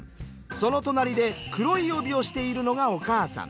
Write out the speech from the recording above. その隣で黒い帯をしているのがお母さん。